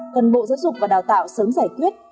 cần bộ giáo dục và đào tạo sớm giải quyết